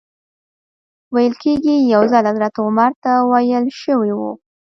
ویل کېږي یو ځل حضرت عمر ته ویل شوي و.